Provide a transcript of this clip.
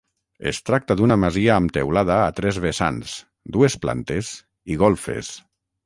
Es tracta d'una masia amb teulada a tres vessants, dues plantes i golfes.